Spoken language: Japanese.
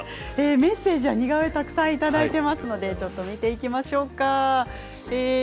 メッセージや似顔絵をたくさんいただいていますので見ていきましょう。